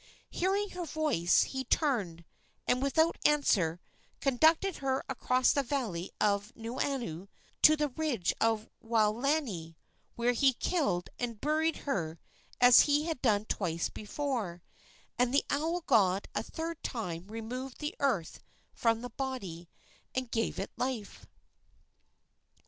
Hearing her voice, he turned, and without answer conducted her across the valley of Nuuanu to the ridge of Waolani, where he killed and buried her as he had done twice before, and the owl god a third time removed the earth from the body and gave it life.